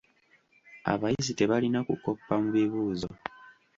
Abayizi tebalina kukoppa mu bibuuzo.